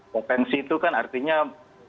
potensi itu kan artinya bukan realnya